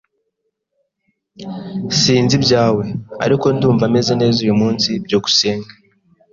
Sinzi ibyawe, ariko ndumva meze neza uyu munsi. byukusenge